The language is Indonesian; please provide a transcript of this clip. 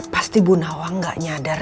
pasti bu nawa gak nyadar